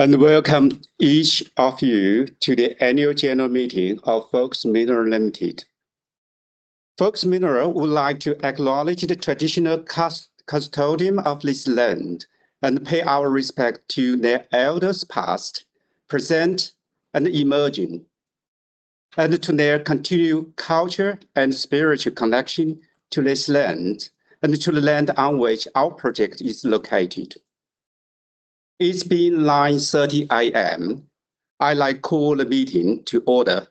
Welcome each of you to the Annual General Meeting of Focus Minerals Limited. Focus Minerals would like to acknowledge the traditional custodians of this land and pay our respect to their elders past, present, and emerging, and to their continued culture and spiritual connection to this land and to the land on which our project is located. It's been 9:30 A.M. I now call the meeting to order.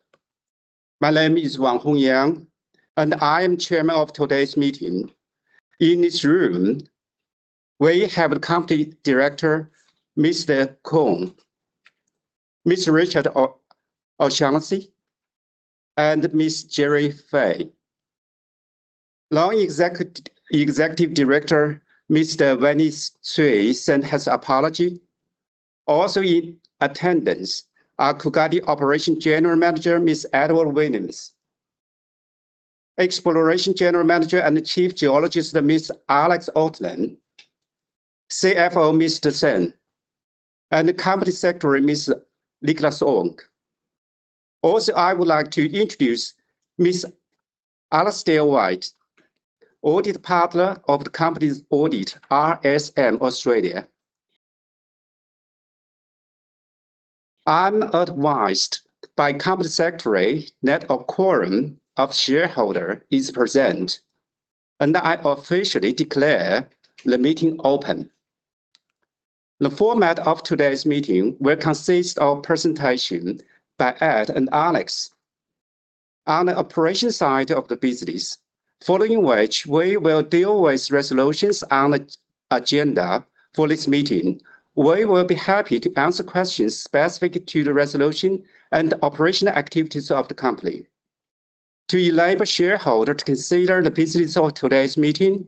My name is Wanghong Yang, I am Chairman of today's meeting. In this room, we have company Director, Mr. Kong, Mr. Richard O'Shannassy, and Ms. Gerry Fahey. Non-executive Director, Mr. Wenli Cui sent his apology. Also in attendance are Coolgardie Gold Operation General Manager, Mr. Edward Williams. Exploration General Manager and Chief Geologist, Mr. Alex Aaltonen. CFO, Mr. Zeng. Company Secretary, Mr. Nicholas Ong. I would like to introduce Mr. Alasdair Whyte, audit partner of the company's audit, RSM Australia. I'm advised by company secretary that a quorum of shareholder is present, and I officially declare the meeting open. The format of today's meeting will consist of presentation by Edward Williams and Alex Aaltonen on the operation side of the business, following which we will deal with resolutions on the agenda for this meeting. We will be happy to answer questions specific to the resolution and operational activities of the company. To enable shareholders to consider the business of today's meeting,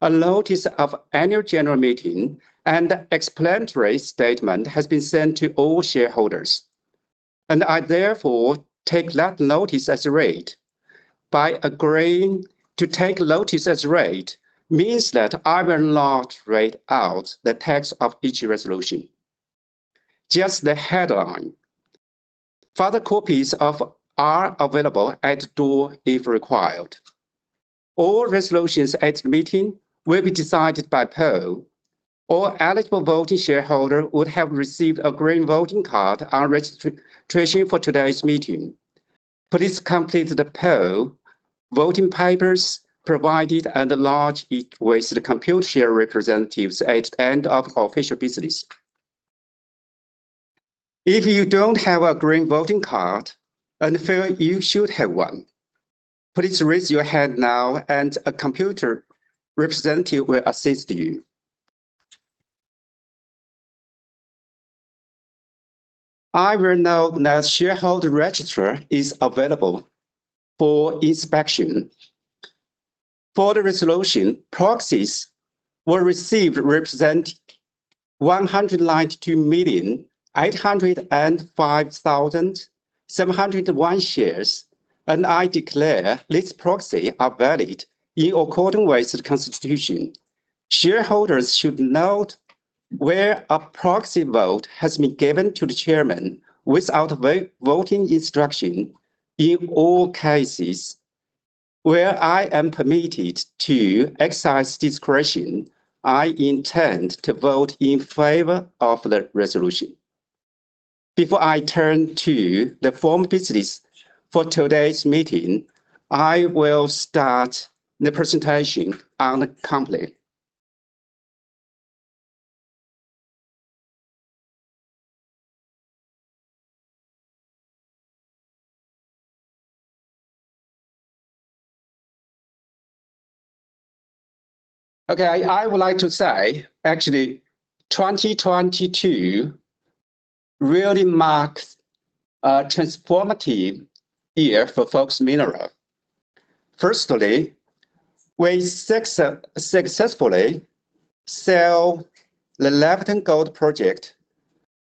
a notice of annual general meeting and explanatory statement has been sent to all shareholders, and I therefore take that notice as read. By agreeing to take notice as read means that I will not read out the text of each resolution, just the headline. Further copies are available at the door if required. All resolutions at the meeting will be decided by poll. All eligible voting shareholders would have received a green voting card on registration for today's meeting. Please complete the poll voting papers provided and lodge it with the Computershare representatives at the end of official business. If you don't have a green voting card and feel you should have one, please raise your hand now and a Computershare representative will assist you. I will note now shareholder register is available for inspection. For the resolution, proxies were received representing 192,805,701 shares. I declare these proxies are valid in accordance with the constitution. Shareholders should note where a proxy vote has been given to the chairman without voting instruction. In all cases where I am permitted to exercise discretion, I intend to vote in favor of the resolution. Before I turn to the formal business for today's meeting, I will start the presentation on the company. I would like to say actually 2022 really marked a transformative year for Focus Minerals. Firstly, we successfully sell the Laverton Gold Project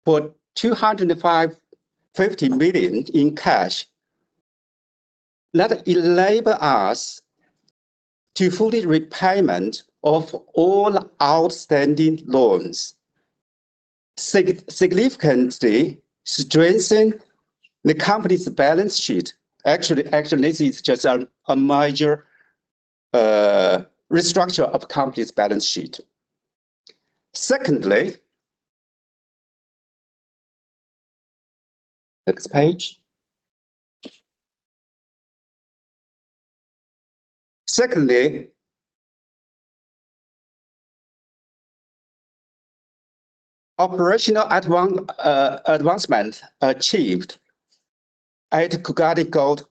for 250 million in cash. That enable us to fully repayment of all outstanding loans, significantly strengthening the company's balance sheet. Actually, this is just a major restructure of company's balance sheet. Secondly, operational advancement achieved at Coolgardie Gold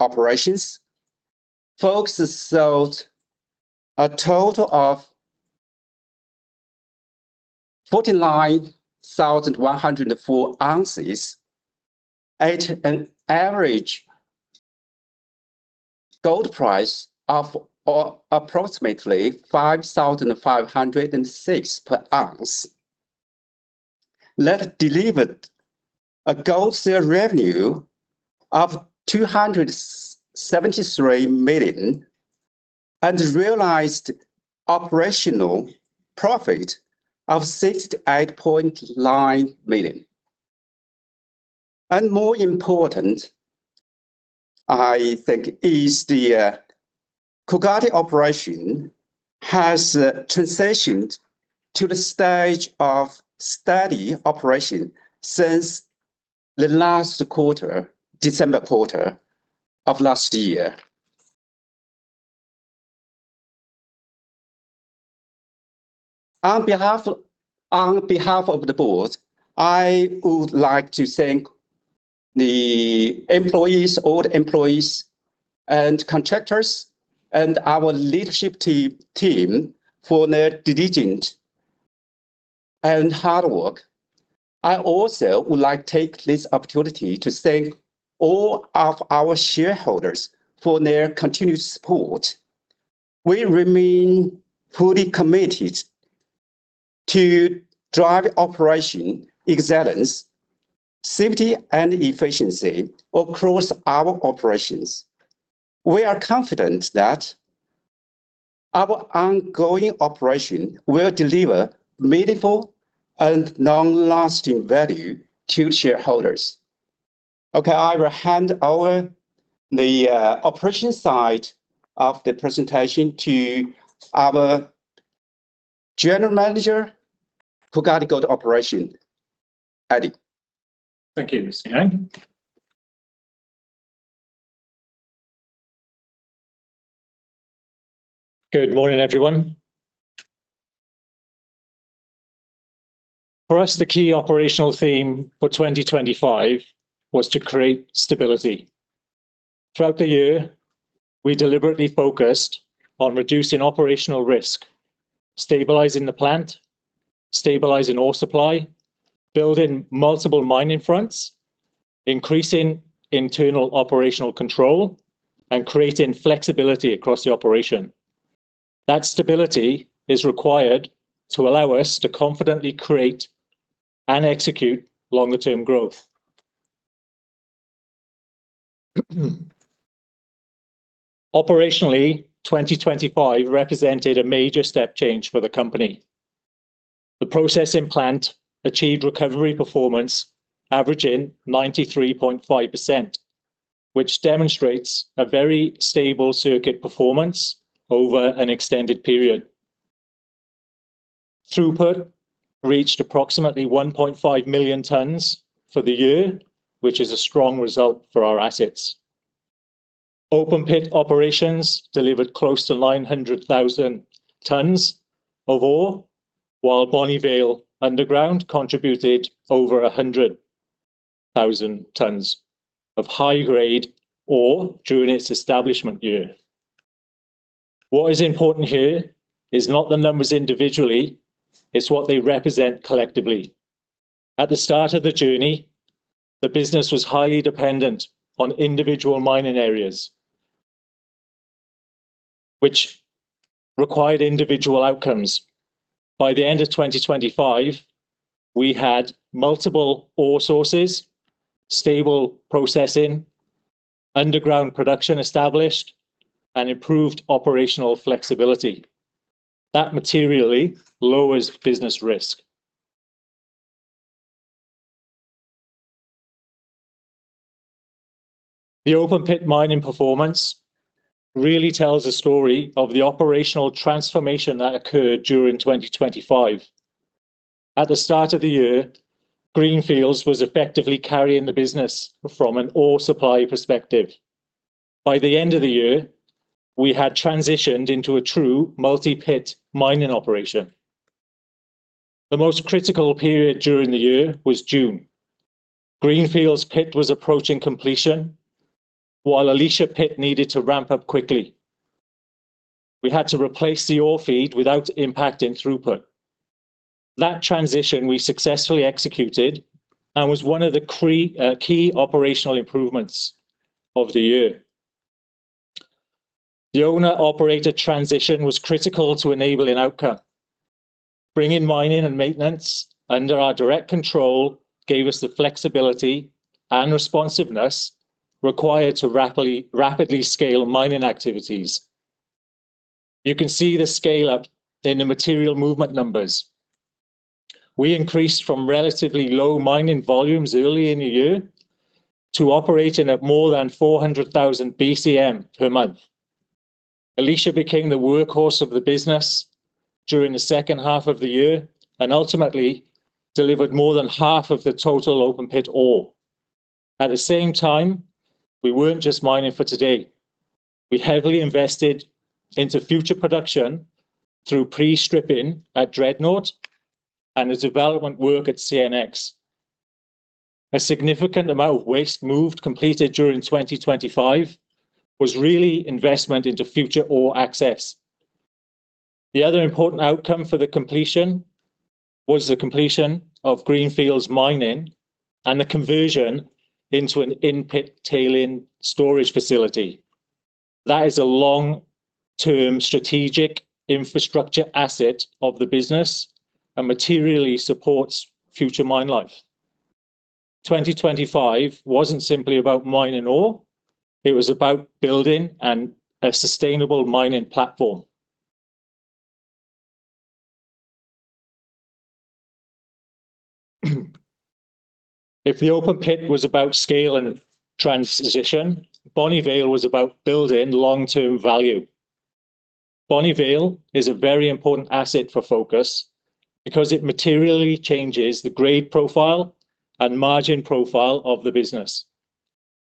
Operation. Focus sold a total of 49,104 ounces at an average gold price of approximately 5,506 per ounce. That delivered a gold sale revenue of AUD 273 million. Realized operational profit of 68.9 million. More important, I think is the Coolgardie Gold Operation has transitioned to the Stage of steady operation since the last quarter, December quarter of last year. On behalf of the board, I would like to thank the employees, all employees and contractors, and our leadership team for their diligent and hard work. I also would like take this opportunity to thank all of our shareholders for their continued support. We remain fully committed to drive operation excellence, safety, and efficiency across our operations. We are confident that our ongoing operation will deliver meaningful and long-lasting value to shareholders. Okay, I will hand over the operation side of the presentation to our General Manager, Coolgardie Gold Operation. Eddie. Thank you, Mr. Yang. Good morning, everyone. For us, the key operational theme for 2025 was to create stability. Throughout the year, we deliberately focused on reducing operational risk, stabilizing the plant, stabilizing ore supply, building multiple mining fronts, increasing internal operational control, and creating flexibility across the operation. That stability is required to allow us to confidently create and execute longer term growth. Operationally, 2025 represented a major step change for the company. The processing plant achieved recovery performance averaging 93.5%, which demonstrates a very stable circuit performance over an extended period. Throughput reached approximately 1.5 million tons for the year, which is a strong result for our assets. Open pit operations delivered close to 900,000 tons of ore, while Bonnie Vale underground contributed over 100,000 tons of high-grade ore during its establishment year. What is important here is not the numbers individually, it's what they represent collectively. At the start of the journey, the business was highly dependent on individual mining areas, which required individual outcomes. By the end of 2025, we had multiple ore sources, stable processing, underground production established, and improved operational flexibility. That materially lowers business risk. The open pit mining performance really tells a story of the operational transformation that occurred during 2025. At the start of the year, Greenfields was effectively carrying the business from an ore supply perspective. By the end of the year, we had transitioned into a true multi-pit mining operation. The most critical period during the year was June. Greenfields pit was approaching completion, while Alicia pit needed to ramp up quickly. We had to replace the ore feed without impacting throughput. That transition we successfully executed and was one of the key operational improvements of the year. The owner-operator transition was critical to enabling outcome. Bringing mining and maintenance under our direct control gave us the flexibility and responsiveness required to rapidly scale mining activities. You can see the scale-up in the material movement numbers. We increased from relatively low mining volumes early in the year to operating at more than 400,000 BCM per month. Alicia became the workhorse of the business during the second half of the year and ultimately delivered more than half of the total open pit ore. At the same time, we weren't just mining for today. We heavily invested into future production through pre-stripping at Dreadnought and the development work at CNX. A significant amount of waste moved completed during 2025 was really investment into future ore access. The other important outcome for the completion was the completion of Greenfields mining and the conversion into an in-pit tailings storage facility. That is a long-term strategic infrastructure asset of the business and materially supports future mine life. 2025 wasn't simply about mining ore, it was about building a sustainable mining platform. If the open pit was about scale and transition, Bonnie Vale was about building long-term value. Bonnie Vale is a very important asset for Focus because it materially changes the grade profile and margin profile of the business.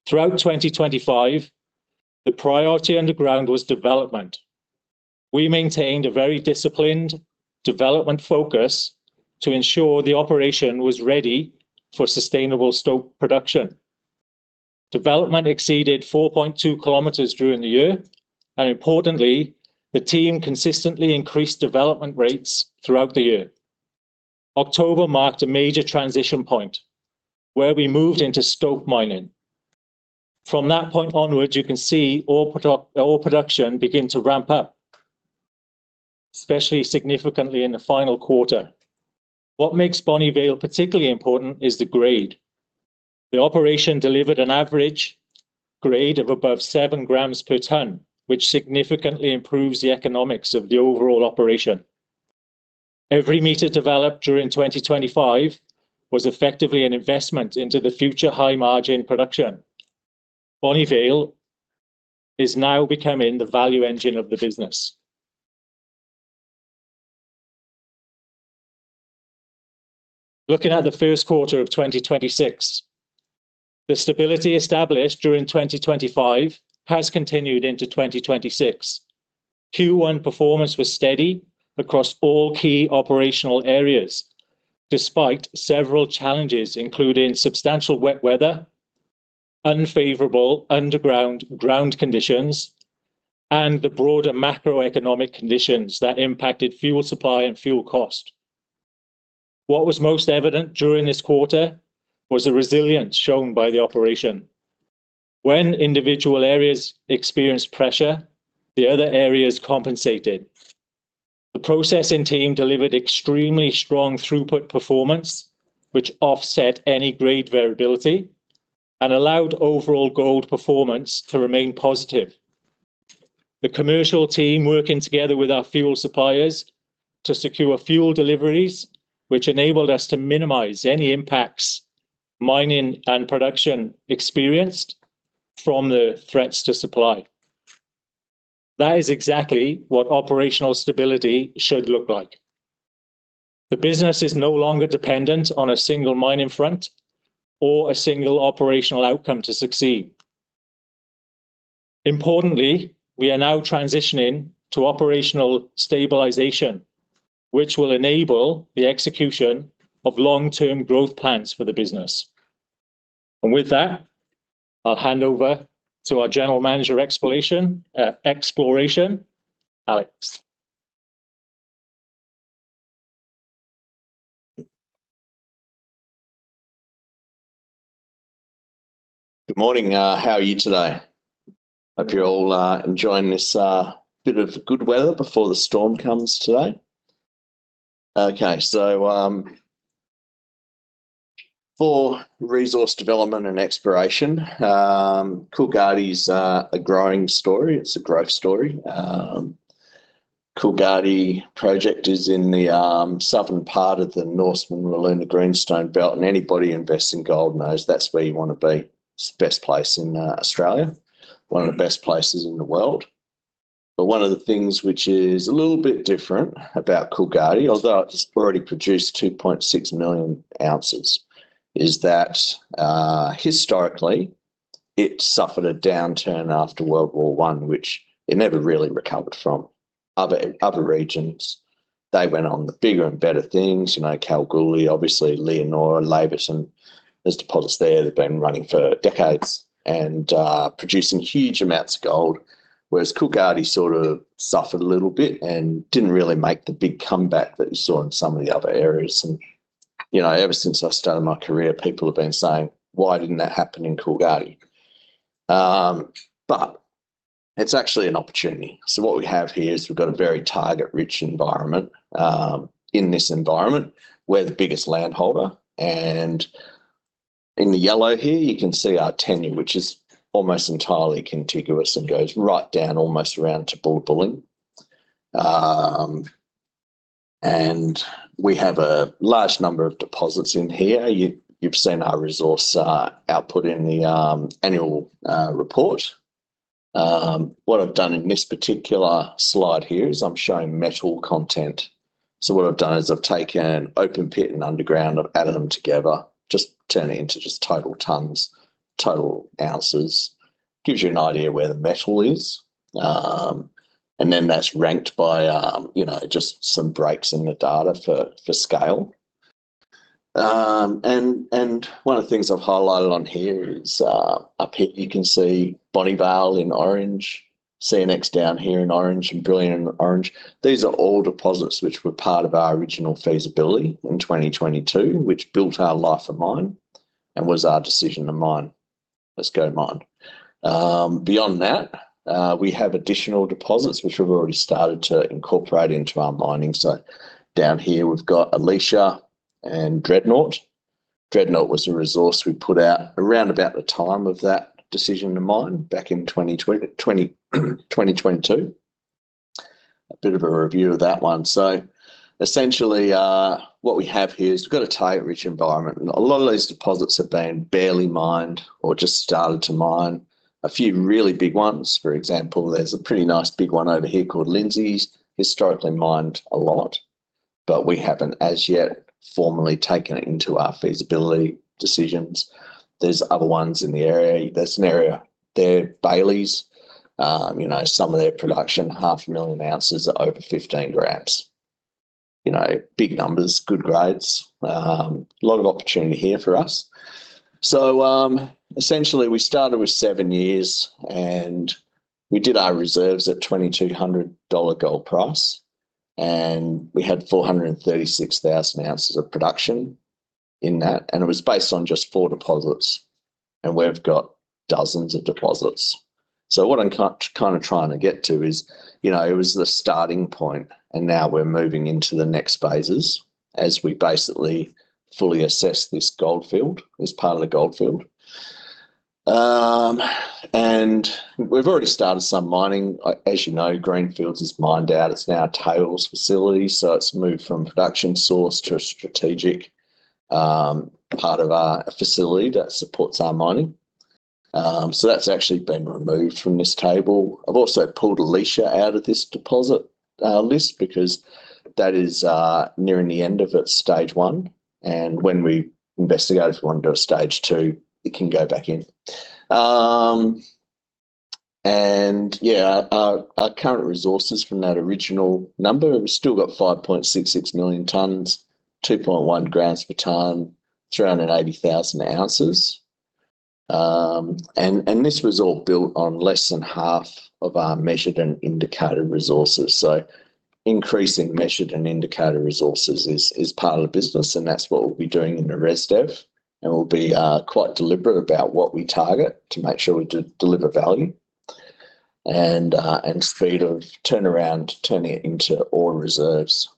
Throughout 2025, the priority underground was development. We maintained a very disciplined development focus to ensure the operation was ready for sustainable stope production. Development exceeded 4.2 km during the year. Importantly, the team consistently increased development rates throughout the year. October marked a major transition point where we moved into stope mining. From that point onwards, you can see ore production begin to ramp up, especially significantly in the final quarter. What makes Bonnie Vale particularly important is the grade. The operation delivered an average grade of above 7g per ton, which significantly improves the economics of the overall operation. Every meter developed during 2025 was effectively an investment into the future high margin production. Bonnie Vale is now becoming the value engine of the business. Looking at the first quarter of 2026. The stability established during 2025 has continued into 2026. Q1 performance was steady across all key operational areas, despite several challenges, including substantial wet weather, unfavorable underground ground conditions, and the broader macroeconomic conditions that impacted fuel supply and fuel cost. What was most evident during this quarter was the resilience shown by the operation. When individual areas experienced pressure, the other areas compensated. The processing team delivered extremely strong throughput performance, which offset any grade variability and allowed overall gold performance to remain positive. The commercial team working together with our fuel suppliers to secure fuel deliveries, which enabled us to minimize any impacts mining and production experienced from the threats to supply. That is exactly what operational stability should look like. The business is no longer dependent on a single mining front or a single operational outcome to succeed. Importantly, we are now transitioning to operational stabilization, which will enable the execution of long-term growth plans for the business. With that, I'll hand over to our General Manager of Exploration, Alex. Good morning. How are you today? Hope you're all enjoying this bit of good weather before the storm comes today. For resource development and exploration, Coolgardie's a growing story. It's a growth story. Coolgardie Project is in the southern part of the Norseman-Wiluna Greenstone Belt, and anybody invests in gold knows that's where you want to be. It's the best place in Australia, one of the best places in the world. One of the things which is a little bit different about Coolgardie, although it's already produced 2.6 million ounces, is that, historically, it suffered a downturn after World War I, which it never really recovered from. Other regions, they went on to bigger and better things. Kalgoorlie, obviously, Leonora, Laverton. There's deposits there that have been running for decades and are producing huge amounts of gold. Coolgardie sort of suffered a little bit and didn't really make the big comeback that you saw in some of the other areas. Ever since I started my career, people have been saying, "Why didn't that happen in Coolgardie?" It's actually an opportunity. What we have here is we've got a very target-rich environment. In this environment, we're the biggest land holder, and in the yellow here, you can see our tenure, which is almost entirely contiguous and goes right down almost around to Bullabulling. We have a large number of deposits in here. You've seen our resource output in the annual report. What I've done in this particular slide here is I'm showing metal content. What I've done is I've taken open pit and underground, I've added them together, just turning into just total tons, total ounces. Gives you an idea where the metal is. That's ranked by just some breaks in the data for scale. One of the things I've highlighted on here is, up here you can see Bonnie Vale in orange, CNX down here in orange, and Brilliant in orange. These are all deposits which were part of our original feasibility in 2022, which built our life of mine and was our decision to mine. Let's go mine. Beyond that, we have additional deposits which we've already started to incorporate into our mining. Down here we've got Alicia and Dreadnought. Dreadnought was a resource we put out around about the time of that decision to mine back in 2022. A bit of a review of that one. Essentially, what we have here is we've got a tight rich environment and a lot of these deposits have been barely mined or just started to mine. A few really big ones. For example, there's a pretty nice big one over here called Lindsays, historically mined a lot, but we haven't as yet formally taken it into our feasibility decisions. There's other ones in the area. There's an area there, Bayleys, some of their production, 500,000 ounces at over 15 g. Big numbers, good grades, a lot of opportunity here for us. Essentially we started with seven years and we did our reserves at 2,200 dollar gold price, and we had 436,000 ounces of production in that, and it was based on just four deposits, and we've got dozens of deposits. What I'm kind of trying to get to is, it was the starting point and now we're moving into the next phases as we basically fully assess this gold field, as part of the gold field. We've already started some mining. As you know, Greenfields is mined out. It's now a tails facility, so it's moved from production source to a strategic part of our facility that supports our mining. That's actually been removed from this table. I've also pulled Alicia out of this deposit list because that is nearing the end of its Stage 1, and when we investigate, if we want to do a Stage 2, it can go back in. Yeah, our current resources from that original number, we've still got 5.66 million tons, 2.1g per ton, 380,000 ounces. This was all built on less than half of our measured and indicated resources. Increasing measured and indicated resources is part of the business and that's what we'll be doing in the res dev. We'll be quite deliberate about what we target to make sure we deliver value and speed of turnaround turning it into ore reserves.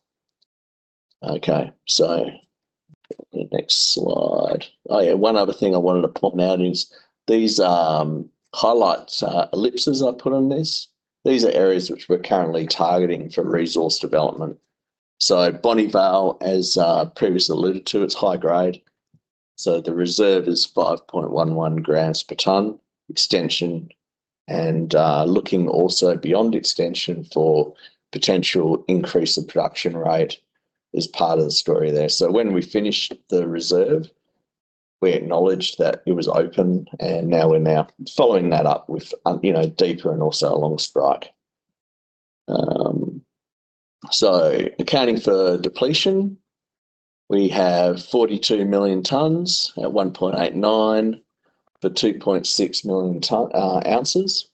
Next slide. One other thing I wanted to point out is these highlights, ellipses I put on this. These are areas which we're currently targeting for resource development. Bonnie Vale, as previously alluded to, it's high grade. The reserve is 5.11g per ton extension and looking also beyond extension for potential increase of production rate is part of the story there. When we finished the reserve, we acknowledged that it was open and now we're now following that up with deeper and also along strike. Accounting for depletion, we have 42 million tons at 1.89g for 2.6 million ounces,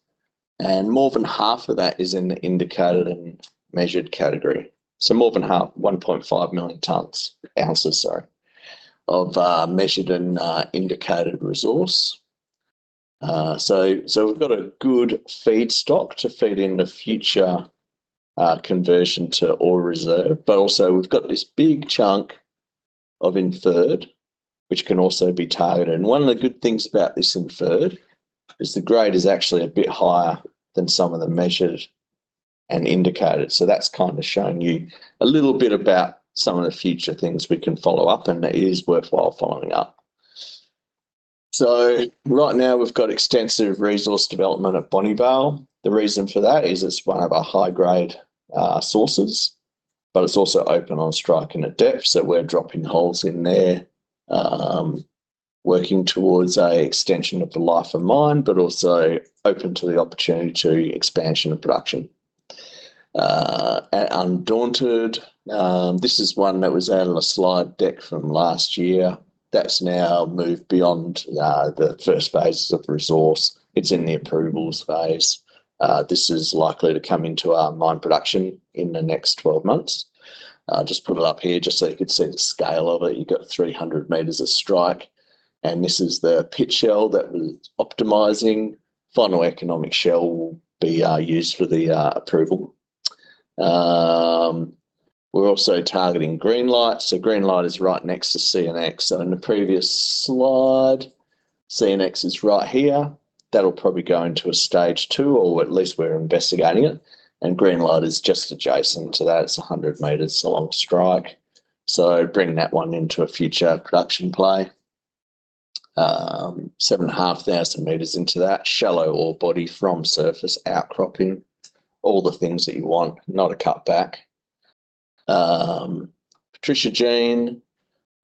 and more than half of that is in the indicated and measured category. More than half, 1.5 million ounces of measured and indicated resource. We've got a good feedstock to feed in the future conversion to ore reserve, but also we've got this big chunk of inferred, which can also be targeted. One of the good things about this inferred is the grade is actually a bit higher than some of the measured and indicated. That's kind of showing you a little bit about some of the future things we can follow up and that is worthwhile following up. Right now we've got extensive resource development at Bonnie Vale. The reason for that is it's one of our high-grade sources, but it's also open on strike and at depth. We're dropping holes in there, working towards an extension of the life of mine, but also open to the opportunity to expansion of production. At Undaunted, this is one that was out on a slide deck from last year that's now moved beyond the first phases of the resource. It's in the approvals phase. This is likely to come into our mine production in the next 12 months. I just put it up here just so you could see the scale of it. You've got 300m of strike and this is the pit shell that we're optimizing. Final economic shell will be used for the approval. We're also targeting Greenlight. Greenlight is right next to CNX. In the previous slide, CNX is right here. That will probably go into a Stage 2, or at least we are investigating it. Greenlight is just adjacent to that. It is 100m along strike. Bringing that one into a future production play. 7,500m into that shallow ore body from surface outcropping, all the things that you want, not a cutback. Patricia Jean,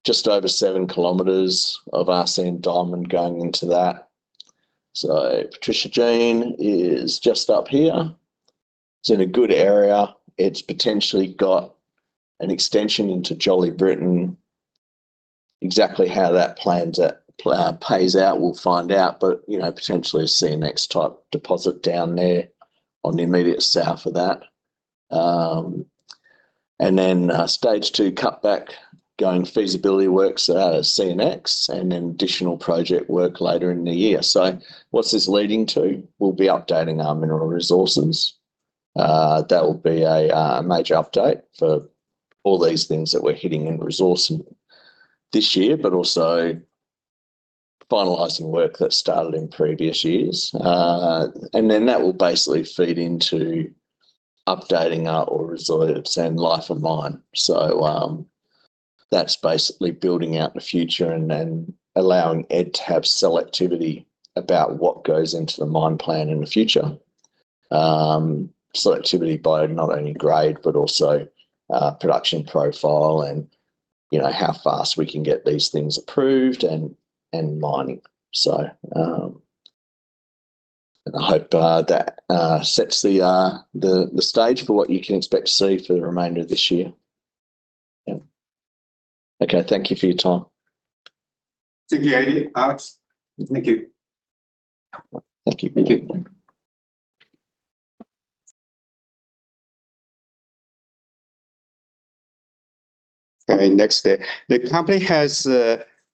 just over 7 km of RC and diamond going into that. Patricia Jean is just up here. It is in a good area. It is potentially got an extension into Jolly Briton. Exactly how that pays out, we will find out. Potentially a CNX type deposit down there on the immediate south of that. Stage 2 cutback going feasibility works out of CNX and then additional project work later in the year. What is this leading to? We'll be updating our mineral resources. That will be a major update for all these things that we're hitting in resource this year, but also finalizing work that started in previous years. That will basically feed into updating our ore reserves and life of mine. That's basically building out the future and then allowing high grade selectivity about what goes into the mine plan in the future. Selectivity by not only grade, but also production profile and how fast we can get these things approved and mining. I hope that sets the Stage for what you can expect to see for the remainder of this year. Yeah. Okay, thank you for your time. Thank you, Eddie. Alex. Thank you. Thank you. Thank you. Okay, next. The company has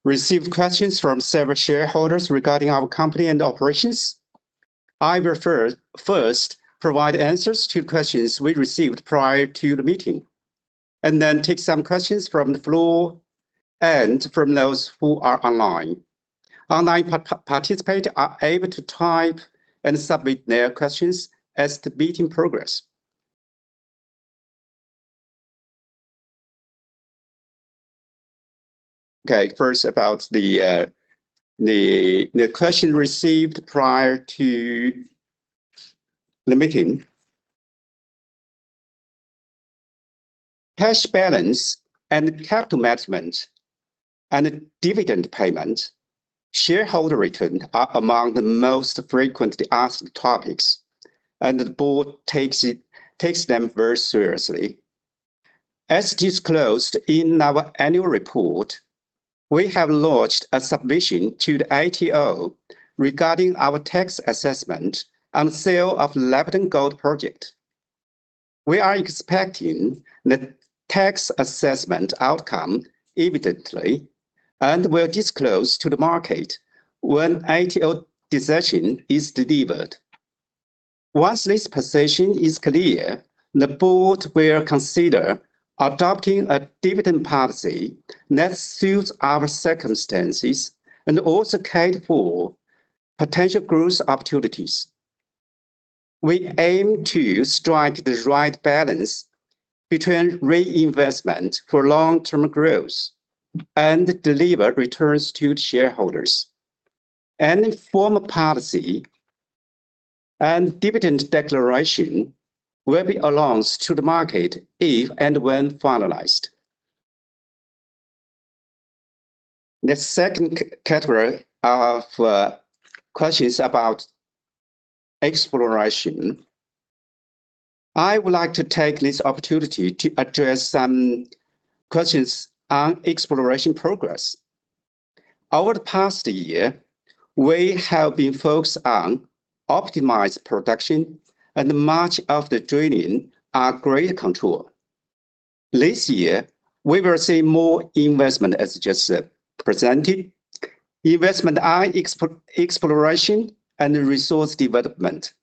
received questions from several shareholders regarding our company and operations. I prefer first provide answers to questions we received prior to the meeting, and then take some questions from the floor and from those who are online. Online participant are able to type and submit their questions as the meeting progress. Okay, first about the question received prior to the meeting. Cash balance and capital management and dividend payment, shareholder return are among the most frequently asked topics, and the Board takes them very seriously. As disclosed in our annual report, we have lodged a submission to the ATO regarding our tax assessment on sale of Laverton Gold Project. We are expecting the tax assessment outcome imminently, and we'll disclose to the market when ATO decision is delivered. Once this position is clear, the Board will consider adopting a dividend policy that suits our circumstances and also cater for potential growth opportunities. We aim to strike the right balance between reinvestment for long-term growth and deliver returns to shareholders. Any formal policy and dividend declaration will be announced to the market if and when finalized. The second category of questions about exploration. I would like to take this opportunity to address some questions on exploration progress. Over the past year, we have been focused on optimized production and much of the drilling are grade control. This year, we will see more investment, as just presented, investment on exploration and resource development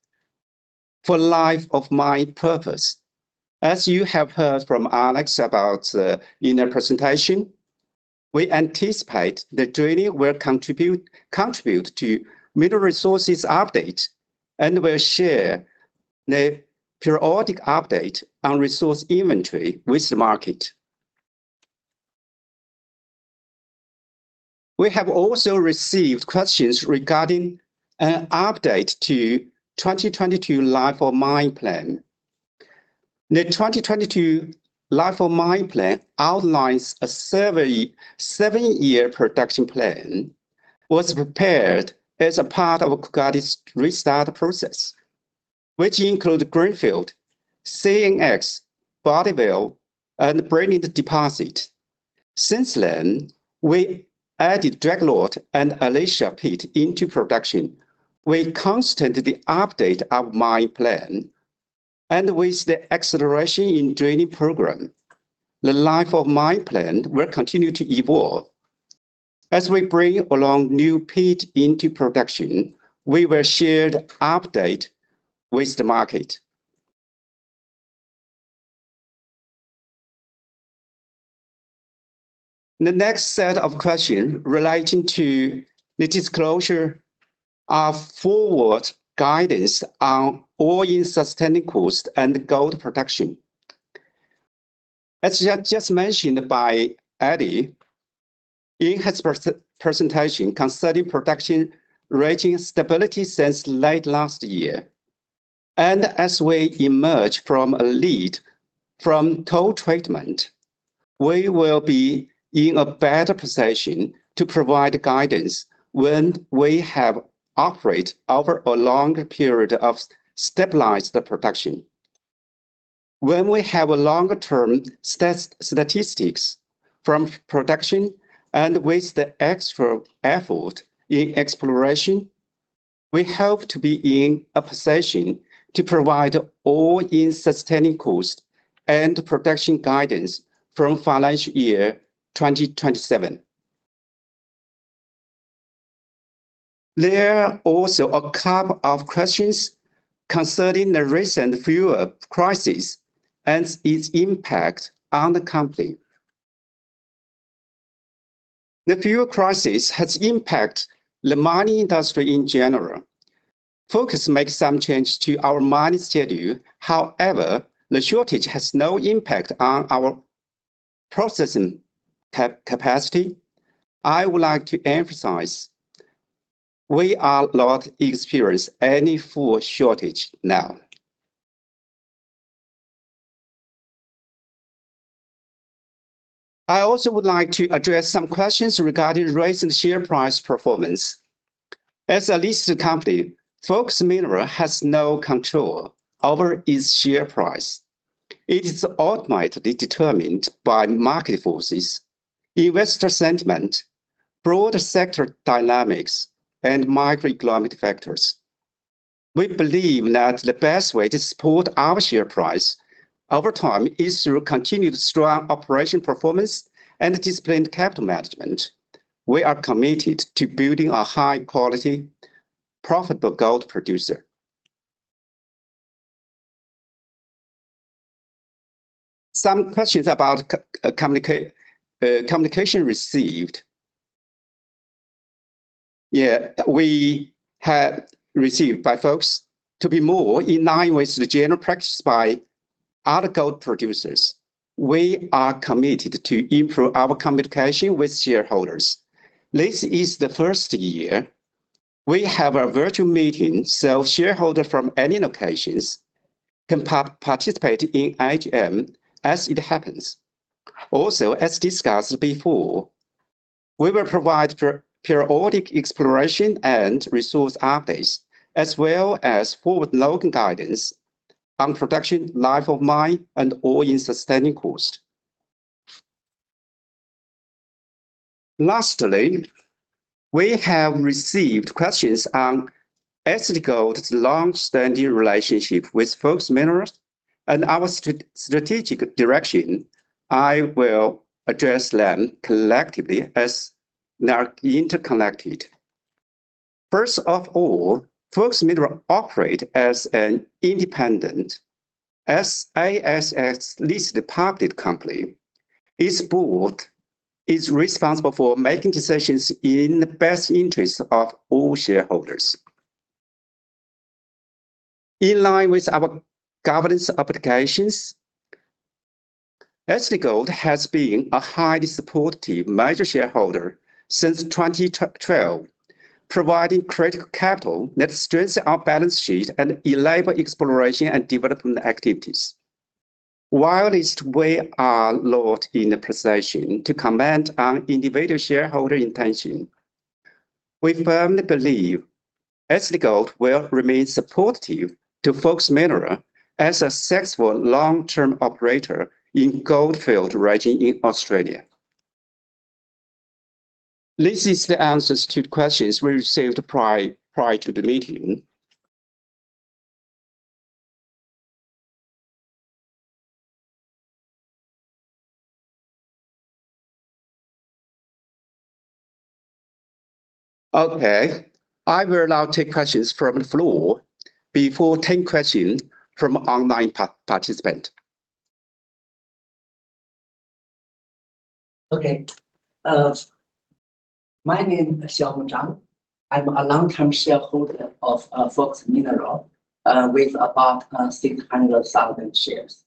for life of mine purpose. As you have heard from Alex about in their presentation, we anticipate the drilling will contribute to mineral resources update and will share the periodic update on resource inventory with the market. We have also received questions regarding an update to 2022 Life of Mine Plan. The 2022 Life of Mine Plan outlines a 7-year production plan, was prepared as a part of Coolgardie's restart process, which included Greenfield, CNX, Bonnie Vale and Brilliant deposit. Since then, we added Dreadnought and Alicia pit into production. We constantly update our mine plan and with the acceleration in drilling program, the life of mine plan will continue to evolve. As we bring along new pit into production, we will share the update with the market. The next set of question relating to the disclosure of forward guidance on all-in sustaining cost and gold production. As just mentioned by Eddie in his presentation, considering production reaching stability since late last year, and as we emerge from a lead from toll treatment, we will be in a better position to provide guidance when we have operate over a longer period of stabilized production. When we have a longer-term statistics from production and with the extra effort in exploration we hope to be in a position to provide all-in sustaining cost and production guidance from financial year 2027. There are also a couple of questions concerning the recent fuel crisis and its impact on the company. The fuel crisis has impacted the mining industry in general. Focus Minerals made some changes to our mining schedule, however, the shortage has no impact on our processing capacity. I would like to emphasize we are not experiencing any fuel shortage now. I also would like to address some questions regarding recent share price performance. As a listed company, Focus Minerals has no control over its share price. It is ultimately determined by market forces, investor sentiment, broader sector dynamics, and macroeconomic factors. We believe that the best way to support our share price over time is through continued strong operational performance and disciplined capital management. We are committed to building a high-quality, profitable gold producer. Some questions about communication received. Yeah, we have received by Focus to be more in line with the general practice by other gold producers. We are committed to improve our communication with shareholders. This is the first year we have a virtual meeting. Shareholders from any locations can participate in AGM as it happens. Also, as discussed before, we will provide periodic exploration and resource updates, as well as forward-looking guidance on production, life of mine, and all-in sustaining cost. Lastly, we have received questions on Shandong Gold's long-standing relationship with Focus Minerals and our strategic direction. I will address them collectively as they are interconnected. First of all, Focus Minerals operates as an independent ASX-listed public company. Its board is responsible for making decisions in the best interests of all shareholders. In line with our governance obligations, Shandong Gold has been a highly supportive major shareholder since 2012, providing critical capital that strengthened our balance sheet and enabled exploration and development activities. Whilst we are not in a position to comment on individual shareholder intentions, we firmly believe Shandong Gold will remain supportive to Focus Minerals as a successful long-term operator in goldfield regions in Australia. This is the answers to questions we received prior to the meeting. Okay, I will now take questions from the floor before taking questions from online participants. Okay. My name is Xiaomeng Zhang. I'm a long-term shareholder of Focus Minerals with about 600,000 shares.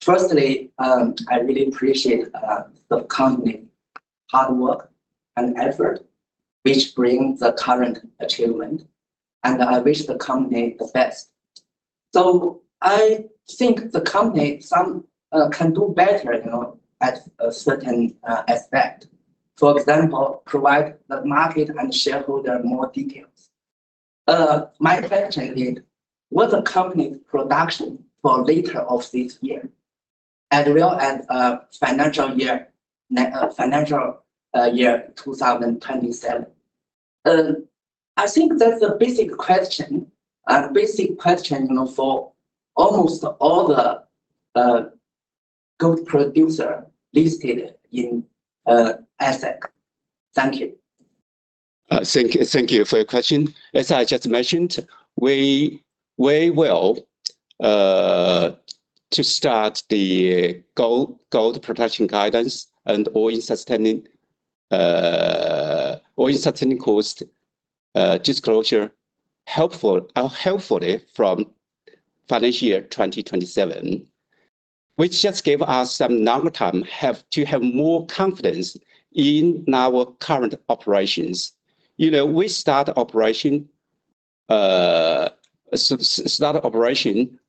Firstly, I really appreciate the company hard work and effort, which brings the current achievement, and I wish the company the best. I think the company can do better at a certain aspect. For example, provide the market and shareholder more details. My question is, what's the company's production for later of this year as well as financial year 2027? I think that's a basic question for almost all the gold producer listed in ASX. Thank you. Thank you for your question. As I just mentioned, we will to start the gold production guidance and all-in sustaining cost disclosure helpfully from financial year 2027, which just gave us some number time to have more confidence in our current operations. We start operation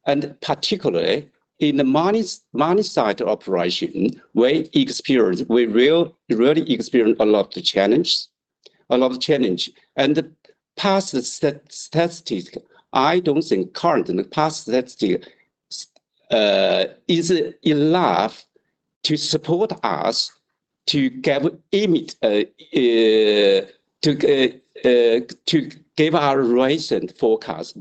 and particularly in the mining site operation, we really experienced a lot of challenge. The past statistic, I don't think current and past statistic is enough to support us to give our recent forecast.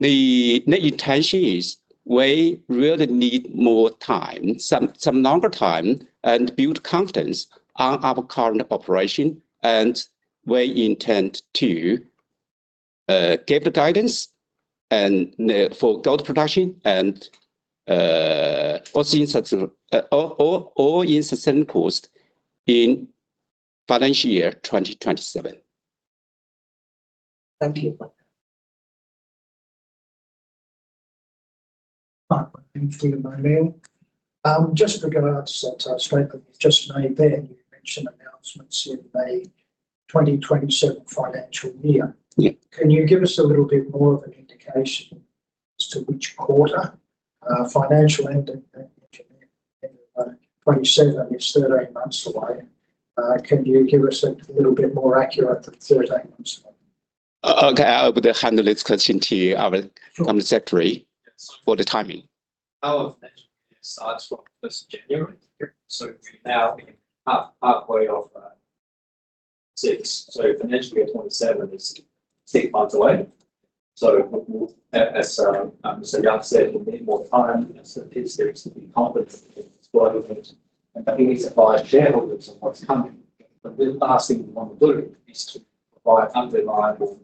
The intention is we really need more time, some longer time and build confidence on our current operation, and we intend to give the guidance and for gold production and all-in sustaining costs in financial year 2027. Thank you. Wanghong, thank you my man. Just regards that statement you've just made there, you mentioned announcements in May 2027 financial year. Yeah. Can you give us a little bit more of an indication as to which quarter? Financial end of 2027 is 13 months away. Can you give us a little bit more accurate than 13 months away? Okay. I'll hand over this question to the secretary for the timing. Our financial year starts from this January. We're now halfway of six. Financial year 2027 is six months away. As Mr. Yang said, we need more time. There is some incompetence in supply chains, and we need to advise shareholders of what's coming. The last thing we want to do is to provide unreliable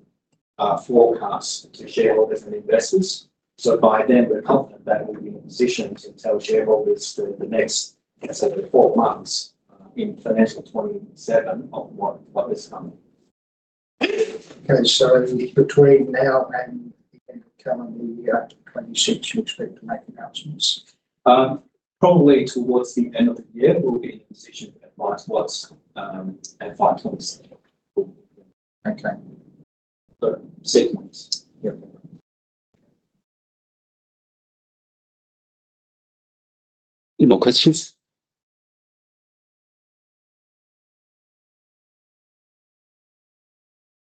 forecasts to shareholders and investors. By then, we're confident that we'll be in a position to tell shareholders the next, like I said, the four months in financial 2027 of what is coming. Okay, between now and the end of the calendar year 2026, you expect to make announcements? Probably towards the end of the year, we'll be in a position to advise what's at five months. Okay. Six months. Any more questions?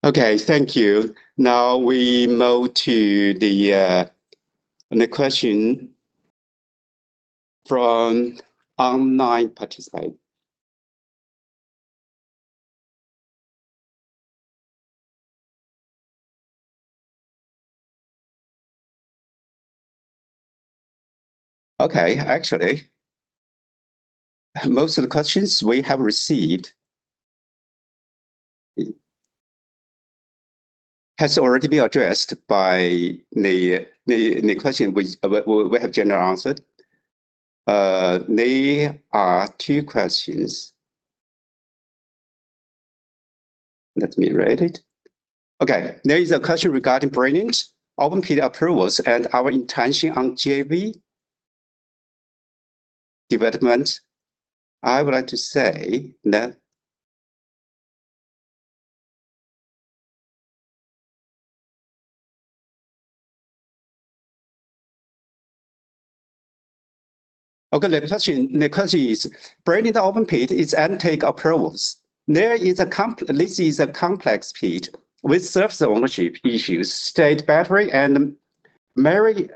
Okay, thank you. We move to the question from online participant. Actually, most of the questions we have received has already been addressed by the question which we have generally answered. There are two questions. Let me read it. There is a question regarding Brilliant open pit approvals and our intention on JV development. I would like to say that the question is Brilliant open pit is undertake approvals. This is a complex pit with surface ownership issues. State Battery and Maritana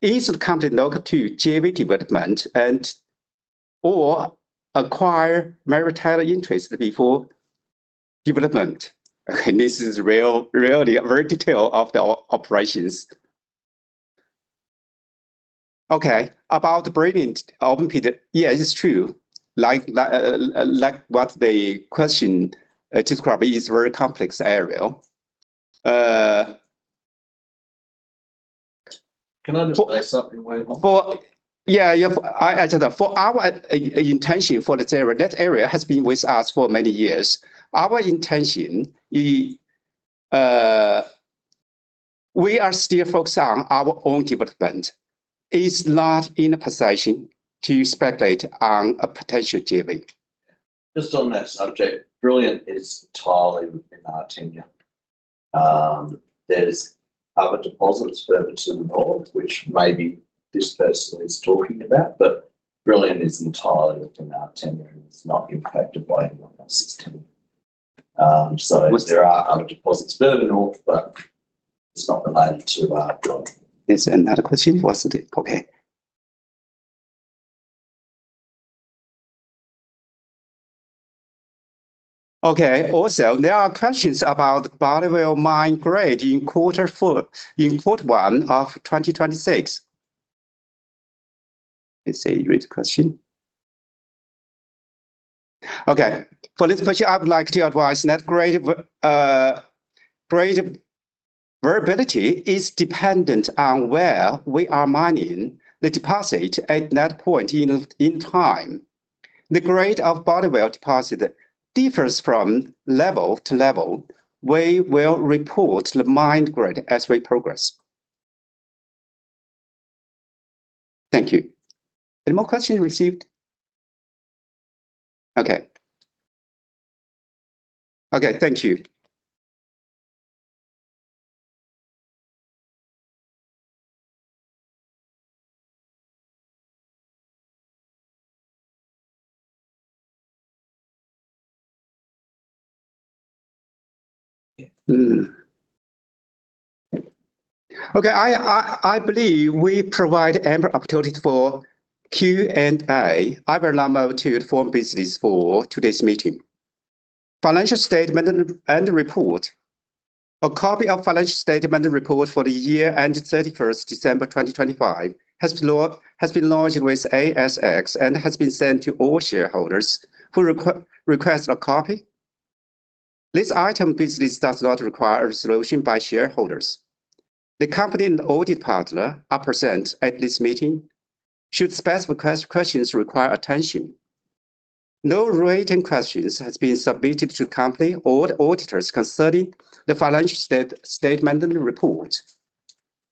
is the company look to JV development and/or acquire Maritana interest before development. This is really very detailed of the operations. About Brilliant open pit, it's true. Like what the question described, it is a very complex area. Can I just say something, Wanghong? Yeah. As I said, our intention for that area, that area has been with us for many years. Our intention is we are still focused on our own development, is not in a position to speculate on a potential JV. Just on that subject, Brilliant is entirely in our tenure. There's other deposits further to the north, which may be this person is talking about, but Brilliant is entirely within our tenure and it's not impacted by anyone else's tenure. There are other deposits further north, but it's not related to our project. There's another question? Positive. Okay. Okay. Also, there are questions about Bonnie Vale mine grade in quarter one of 2026. It's a great question. Okay. For this question, I would like to advise that grade variability is dependent on where we are mining the deposit at that point in time. The grade of Bonnie Vale deposit differs from level to level. We will report the mine grade as we progress. Thank you. Any more questions received? Okay. Okay, thank you. Okay. I believe we provide ample opportunity for Q&A. I will now move to the formal business for today's meeting. Financial statement and report. A copy of financial statement and report for the year-end 31st December 2025 has been lodged with ASX and has been sent to all shareholders who request a copy. This item business does not require a resolution by shareholders. The company and audit partner are present at this meeting should specific questions require attention. No related questions has been submitted to company or the auditors concerning the financial statement and report.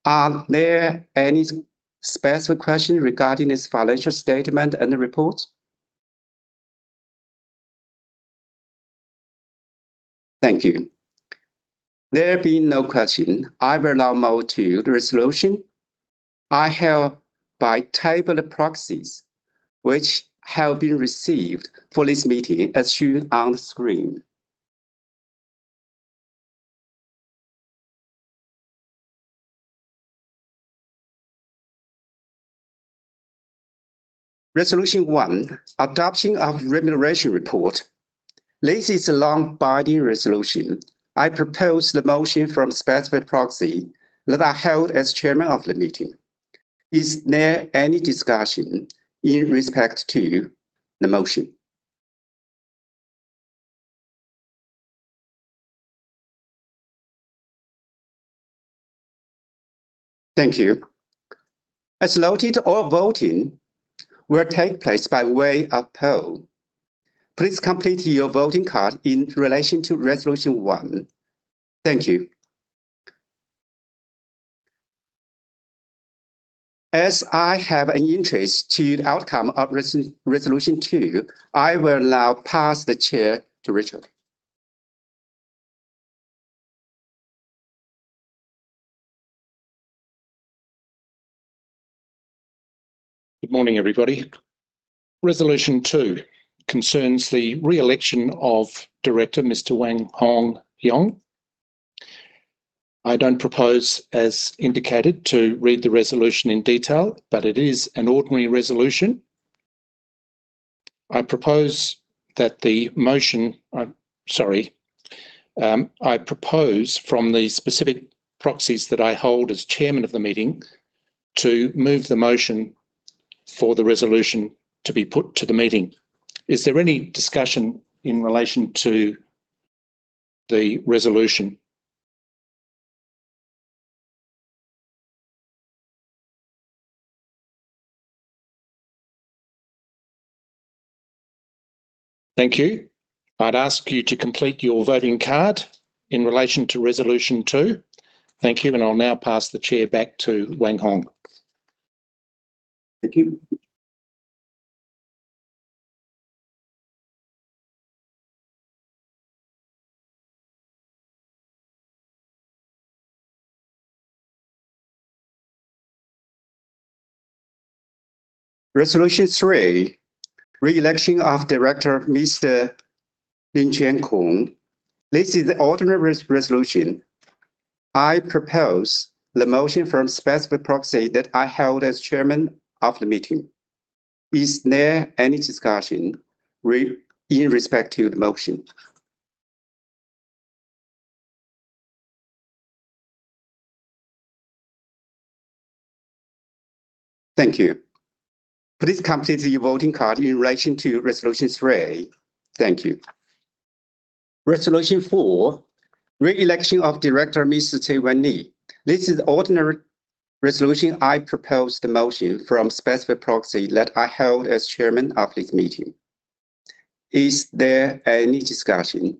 Are there any specific questions regarding this financial statement and report? Thank you. There being no question, I will now move to the resolution. I have by table the proxies which have been received for this meeting as shown on screen. Resolution one, adoption of remuneration report. This is a long body resolution. I propose the motion from specific proxy that I hold as Chairman of the Meeting. Is there any discussion in respect to the motion? Thank you. As noted, all voting will take place by way of poll. Please complete your voting card in relation to resolution one. Thank you. As I have an interest to the outcome of resolution two, I will now pass the Chair to Richard. Good morning, everybody. Resolution two concerns the re-election of Director Mr. Wanghong Yang. I don't propose, as indicated, to read the resolution in detail, but it is an ordinary resolution. I propose from the specific proxies that I hold as Chairman of the meeting to move the motion for the resolution to be put to the meeting. Is there any discussion in relation to the resolution? Thank you. I'd ask you to complete your voting card in relation to resolution two. Thank you. I'll now pass the Chair back to Wanghong Yang. Thank you. Resolution three, re-election of Director Mr. Lingquan Kong. This is the ordinary resolution. I propose the motion from specific proxy that I hold as Chairman of the meeting. Is there any discussion in respect to the motion? Thank you. Please complete your voting card in relation to resolution three. Thank you. Resolution four, re-election of Director Mr. Wenli Cui. This is ordinary resolution. I propose the motion from specific proxy that I hold as Chairman of this meeting. Is there any discussion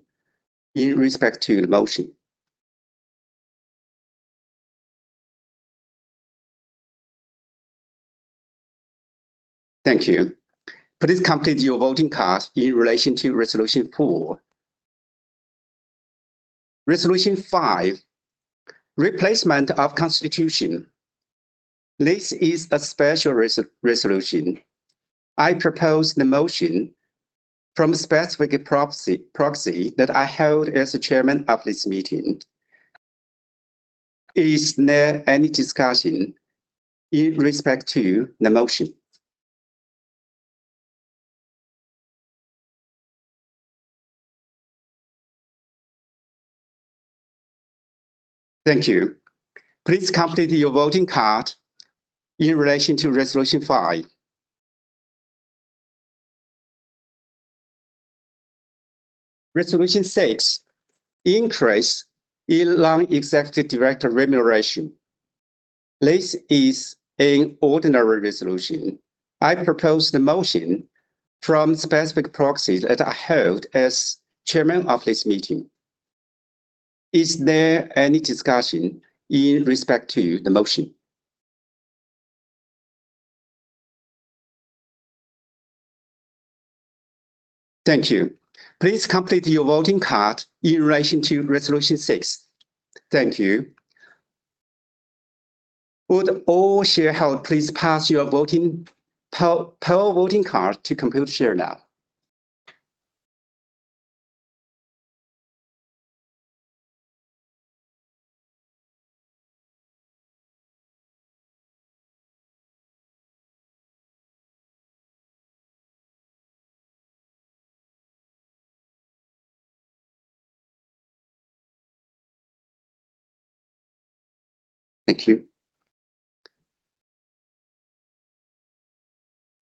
in respect to the motion? Thank you. Please complete your voting card in relation to resolution four. Resolution five, replacement of constitution. This is a special resolution. I propose the motion from specific proxy that I hold as the Chairman of this meeting. Is there any discussion in respect to the motion? Thank you. Please complete your voting card in relation to resolution five. Resolution six, increase in non-executive director remuneration. This is an ordinary resolution. I propose the motion from specific proxies that I hold as chairman of this meeting. Is there any discussion in respect to the motion? Thank you. Please complete your voting card in relation to resolution six. Thank you. Would all shareholder please pass your poll voting card to Computershare now. Thank you.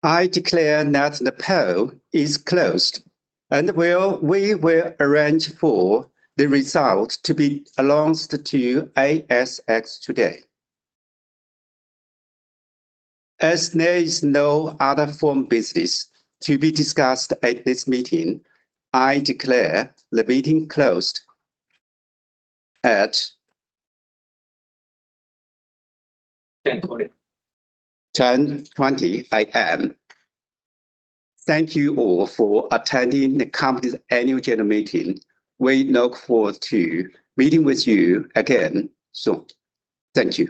I declare that the poll is closed, and we will arrange for the result to be announced to ASX today. As there is no other formal business to be discussed at this meeting, I declare the meeting closed. 10:20 A.M 10:20 A.M. Thank you all for attending the company's annual general meeting. We look forward to meeting with you again soon. Thank you